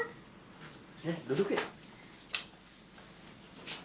ya duduk ya